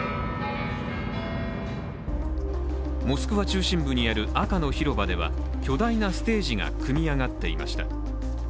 モスクワ中心部にある赤の広場では巨大なステージが組み上がっていました。